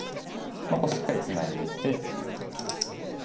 しっかりツナいでいて。